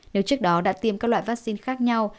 nếu trước đó đã tiêm các loại vaccine khác nhau